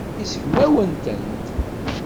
Iseggem-awen-tent.